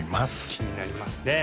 気になりますね